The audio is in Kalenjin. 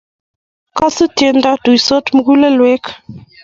Kosu tiendo, tuitos mugulekwek